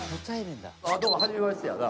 どうもはじめましてやな。